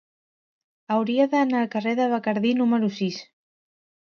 Hauria d'anar al carrer de Bacardí número sis.